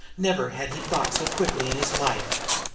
Never had he thought so quickly in his life.